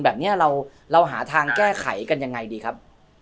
แบบนี้เราหาทางแก้ไขกันยังไงดีครับ